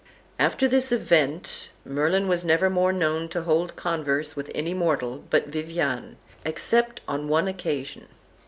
After this event Merlin was never more known to hold converse with any mortal but Viviane, except on one occasion.